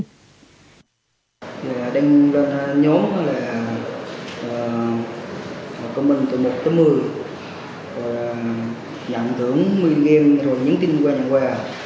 đây là đơn đơn nhóm là công an từ một tới một mươi nhận thưởng minigame rồi nhấn tin qua nhà quà